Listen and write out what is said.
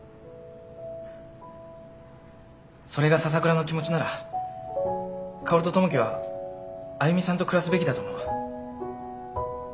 それが笹倉の気持ちなら薫と友樹はあゆみさんと暮らすべきだと思う。